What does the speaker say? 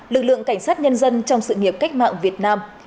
lực lượng cảnh sát nhân dân trong sự nghiệp cách mạng việt nam